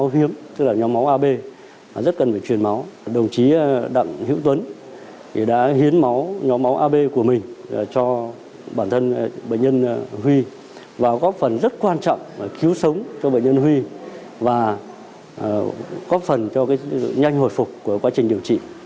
huy và góp phần rất quan trọng và cứu sống cho bệnh nhân huy và góp phần cho nhanh hồi phục của quá trình điều trị